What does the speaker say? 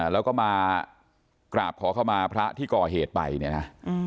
แล้วก็มากราบขอเข้ามาพระที่ก่อเหตุไปเนี่ยนะ